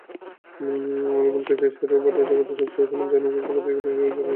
রোবকনকে এশিয়ার রোবট জগতের সবচেয়ে সম্মানজনক একটি প্রতিযোগিতা হিসেবে বিবেচনা করা হয়।